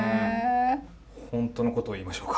本当のことを言いましょうか。